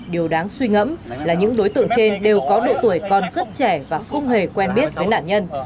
điều đáng suy ngẫm là những đối tượng trên đều có độ tuổi còn rất trẻ và không hề quen biết với nạn nhân